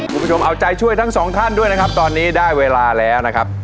คุณผู้ชมเอาใจช่วยทั้งสองท่านด้วยนะครับตอนนี้ได้เวลาแล้วนะครับ